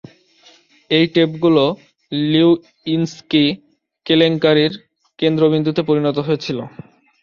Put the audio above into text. এই টেপগুলো লিউইন্সকি কেলেঙ্কারীর কেন্দ্রবিন্দুতে পরিণত হয়েছিল।